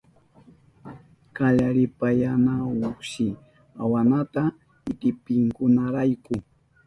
Kallaripayanahunshi awanata itipinkunarayku.